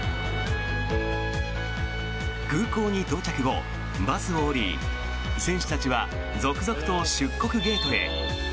空港に到着後、バスを降り選手たちは続々と出国ゲートへ。